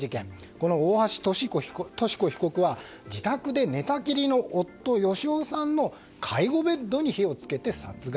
この大橋とし子被告は自宅で寝たきりの夫・芳男さんの介護ベッドに火を付けて殺害。